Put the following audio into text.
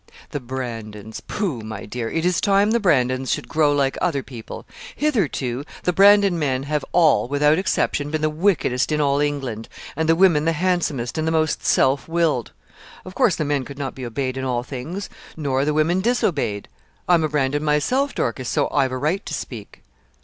'The Brandons pooh! my dear it is time the Brandons should grow like other people. Hitherto, the Brandon men have all, without exception, been the wickedest in all England, and the women the handsomest and the most self willed. Of course the men could not be obeyed in all things, nor the women disobeyed. I'm a Brandon myself, Dorcas, so I've a right to speak.